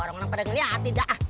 orang orang pada ngeliatin dah